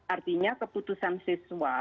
artinya keputusan siswa